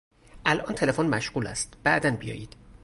الان تلفن مشغول است، بعدا بیایید.